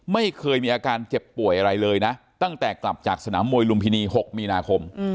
ไม่เคยมีอาการเจ็บป่วยอะไรเลยนะตั้งแต่กลับจากสนามมวยลุมพินี๖มีนาคม